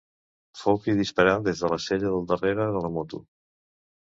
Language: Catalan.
Fou qui disparà des de la sella del darrere de la moto.